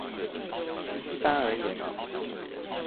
一般而言